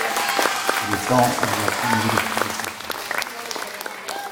C’était le temps où Jacqueline avait le plus de tracas.